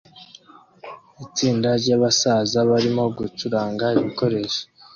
Itsinda ryabasaza barimo gucuranga ibikoresho